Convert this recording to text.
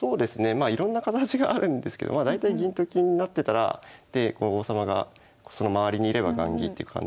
まあいろんな形があるんですけど大体銀と金になってたらで王様がその周りにいれば雁木って感じで。